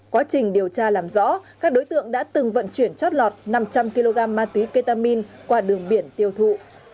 quá trình điều tra làm rõ các đối tượng đã từng vận chuyển chót lọt năm trăm linh kg ma túy ketamin qua đường biển tiêu thụ